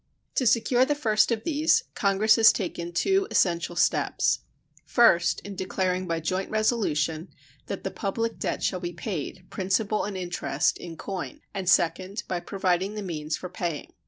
To secure the first of these, Congress has taken two essential steps: First, in declaring by joint resolution that the public debt shall be paid, principal and interest, in coin; and, second, by providing the means for paying.